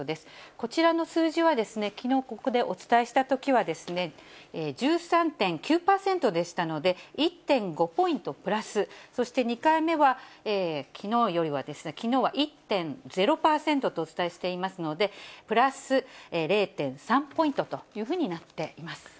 こちらの数字は、きのう、ここでお伝えしたときは、１３．９％でしたので、１．５ポイントプラス、そして２回目はきのうよりは、きのうは１．０％とお伝えしていますので、プラス０．３ポイントというふうになっています。